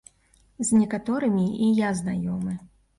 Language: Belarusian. З некаторымі і я знаёмы.